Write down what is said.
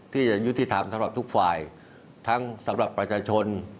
ที่จะยุติธรรมสำหรับทุกฝ่ายทั้งสำหรับประชาชน